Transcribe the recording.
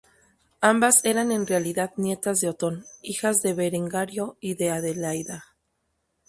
Ambas eran en realidad nietas de Otón, hijas de Berengario y de Adelaida.